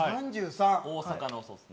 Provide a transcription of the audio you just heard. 大阪のそうですね。